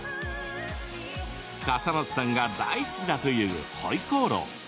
笠松さんが大好きだというホイコーロー。